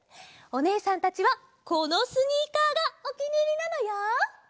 おねえさんたちはこのスニーカーがおきにいりなのよ。